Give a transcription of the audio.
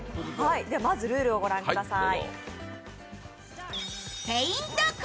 ルールをご覧ください。